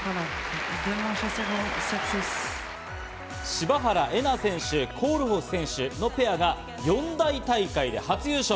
柴原瑛菜選手、コールホフ選手のペアが四大大会で初優勝。